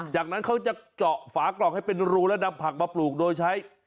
จากนั้นเขาจะเจาะฝากล่องให้เป็นรูแล้วนำผักมาปลูกโดยใช้